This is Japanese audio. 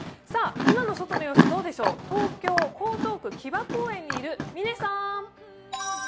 今の外の様子どうでしょう、東京・江東区、木場公園にいる嶺さん。